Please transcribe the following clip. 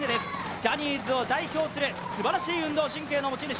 ジャニーズを代表する、すばらしい運動神経の持ち主。